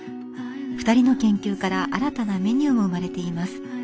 ２人の研究から新たなメニューも生まれています。